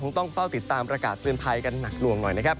คงต้องต้องเจอกันต้นรากาศเตือนภัยหนักล่วงหน่อยนะครับ